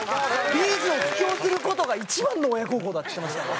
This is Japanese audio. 「Ｂ’ｚを布教する事が一番の親孝行だ」って言ってましたから。